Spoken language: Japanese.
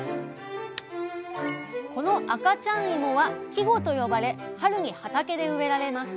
この赤ちゃん芋は生子と呼ばれ春に畑で植えられます。